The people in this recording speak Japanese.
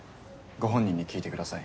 ご本人に聞いてください。